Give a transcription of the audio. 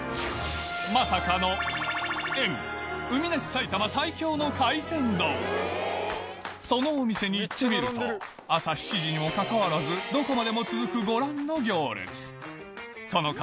続いてはそのお店に行ってみると朝７時にもかかわらずどこまでも続くご覧の行列その数